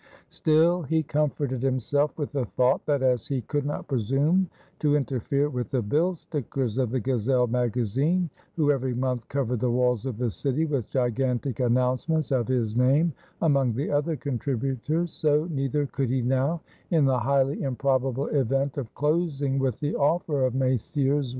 Still, he comforted himself with the thought, that as he could not presume to interfere with the bill stickers of the Gazelle Magazine, who every month covered the walls of the city with gigantic announcements of his name among the other contributors; so neither could he now in the highly improbable event of closing with the offer of Messrs.